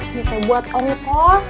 ini teh buat ongkos